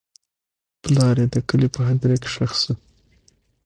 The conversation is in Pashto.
پلار یې د کلي په هدیره کې ښخ شو.